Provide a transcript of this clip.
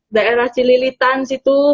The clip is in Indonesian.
daerah cililitan situ